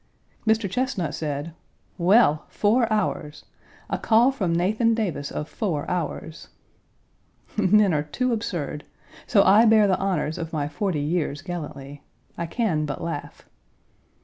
Mr. Chesnut said: "Well! four hours a call Page 153 from Nathan Davis of four hours!" Men are too absurd! So I bear the honors of my forty years gallantly. I can but laugh.